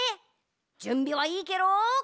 じゅんびはいいケロ？